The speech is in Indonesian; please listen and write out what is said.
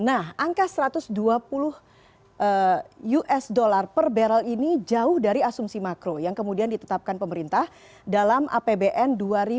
nah angka satu ratus dua puluh usd per barrel ini jauh dari asumsi makro yang kemudian ditetapkan pemerintah dalam apbn dua ribu dua puluh